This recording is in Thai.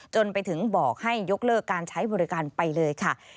จนไปถึงบอกให้ยกเลิกการใช้บริการไปเลยค่ะ